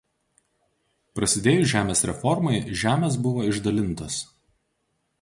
Prasidėjus žemės reformai žemės buvo išdalintos.